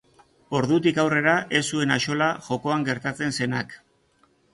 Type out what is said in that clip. Ordutik aurrera ez zuen axola jokoan gertatzen zenak.